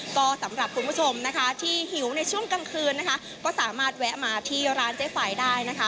ก็สำหรับคุณผู้ชมนะคะที่หิวในช่วงกลางคืนนะคะก็สามารถแวะมาที่ร้านเจ๊ไฟได้นะคะ